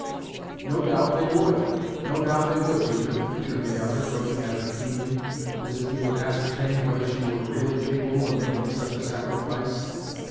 "No doubt they would; no doubt they would, Judith," returned the other, looking at her keenly, as if he would ascertain whether she were really capable of making such a sacrifice.